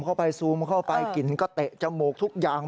เข้าไปซูมเข้าไปกลิ่นก็เตะจมูกทุกอย่าง